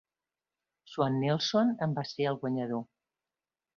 Shawn Nelson en va ser el guanyador.